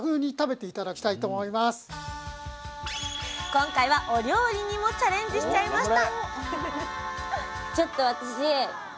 今回はお料理にもチャレンジしちゃいました！